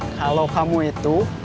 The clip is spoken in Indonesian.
kalau kamu itu